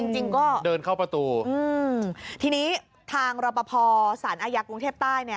จริงก็อืมทีนี้ทางรปภสรรค์อายักษ์กรุงเทพใต้